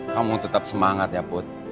kamu tetap semangat ya put